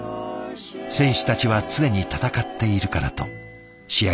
選手たちは常に戦っているからと試合